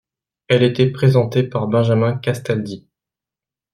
Elle était présentée par Benjamin Castaldi.